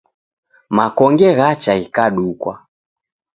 Makonge ghacha ghikadukwa